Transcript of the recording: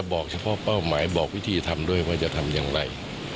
บอกเฉพาะเป้าหมายบอกวิธีทำด้วยว่าจะทำอย่างไร